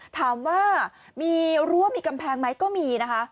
ถามว่ามีรั้วมีกำแพงไหมก็มีนะคะ